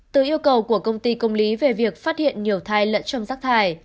từ yêu cầu của công ty công lý về việc phát hiện nhiều thai lẫn trong rác thải